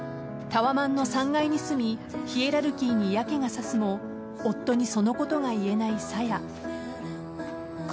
タワマンの３階に住みヒエラルキーに嫌気がさすも夫にそのことが言えない早矢。